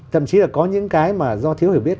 thậm chí là có những cái mà do thiếu hiểu biết